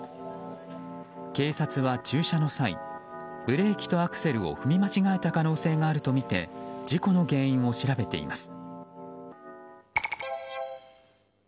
警察は駐車の際ブレーキとアクセルを踏み間違えた可能性があるとみて事故の原因を調べています。